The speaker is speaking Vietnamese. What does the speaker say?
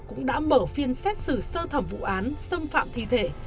cũng đã mở phiên xét xử sơ thẩm vụ án xâm phạm thi thể